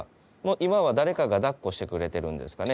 今は誰かがだっこしてくれてるんですかね？